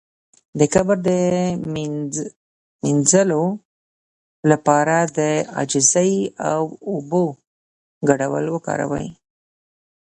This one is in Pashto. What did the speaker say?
د کبر د مینځلو لپاره د عاجزۍ او اوبو ګډول وکاروئ